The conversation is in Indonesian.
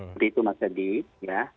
beritahu mas fedy